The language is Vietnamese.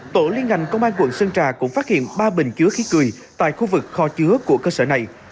tổ liên ngành công an quận sơn trà cũng phát hiện ba bình chứa khí cười tại khu vực kho chứa của cơ sở này